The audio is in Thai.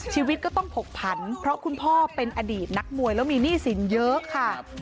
ชีวิตก็ต้องผกผันเพราะคุณพ่อเป็นอดีตนักมวยแล้วมีหนี้สินเยอะค่ะ